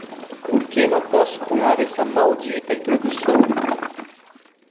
Por que não posso pular esta maldita introdução?